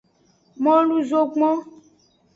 Molu zogbon.